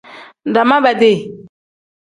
Daama bedi.